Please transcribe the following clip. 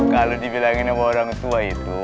kalau dibilangin sama orang tua itu